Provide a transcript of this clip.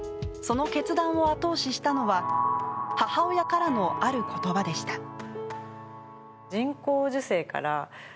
その決断を後押ししたのは、母親からのある言葉でした。